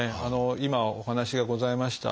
今お話がございました